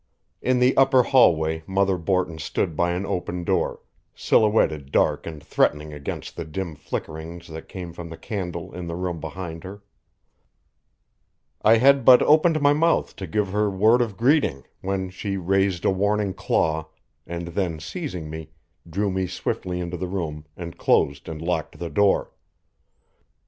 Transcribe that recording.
In the upper hallway Mother Borton stood by an open door, silhouetted dark and threatening against the dim flickerings that came from the candle in the room behind her. I had but opened my mouth to give her word of greeting when she raised a warning claw, and then seizing me, drew me swiftly into the room and closed and locked the door.